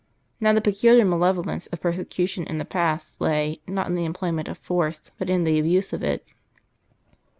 Now the peculiar malevolence of persecution in the past lay, not in the employment of force, but in the abuse of it.